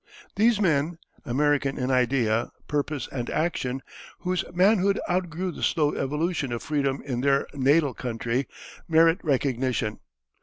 These men, American in idea, purpose, and action, whose manhood outgrew the slow evolution of freedom in their natal country, merit recognition.